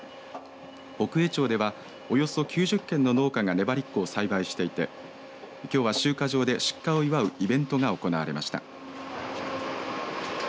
北栄町ではおよそ９０軒の農家がねばりっこを栽培していてきょうは集荷場で出荷を祝うイベントが行われました。